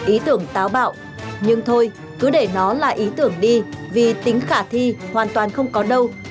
ý tưởng táo bạo nhưng thôi cứ để nó là ý tưởng đi vì tính khả thi hoàn toàn không có đâu